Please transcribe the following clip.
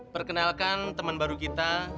perkenalkan teman baru kita